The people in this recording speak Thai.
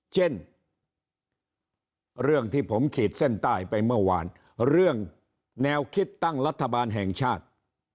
เช่นเรื่องที่ผมขีดเส้นใต้ไปเมื่อวานเรื่องแนวคิดตั้งรัฐบาลแห่งชาติ